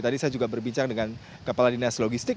tadi saya juga berbincang dengan kepala dinas logistik